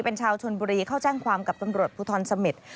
เป็นชาวชนบุรีเข้าแจ้งความกับตำรวจภูทรเสม็ด